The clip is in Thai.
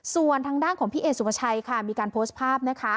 ส่วนทางด้านของพี่เอสุภาชัยค่ะมีการโพสต์ภาพนะคะ